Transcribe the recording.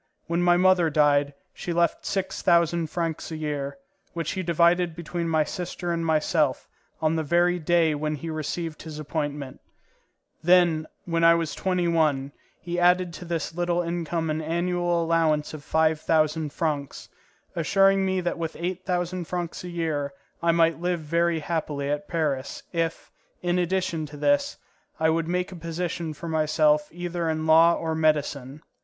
When my mother died, she left six thousand francs a year, which he divided between my sister and myself on the very day when he received his appointment; then, when I was twenty one, he added to this little income an annual allowance of five thousand francs, assuring me that with eight thousand francs a year I might live very happily at Paris, if, in addition to this, I would make a position for myself either in law or medicine.